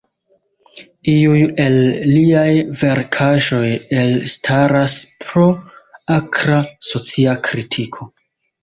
Iuj el liaj verkaĵoj elstaras pro akra socia kritiko.